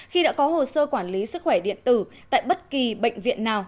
khi đã có hồ sơ quản lý sức khỏe điện tử tại bất kỳ bệnh viện nào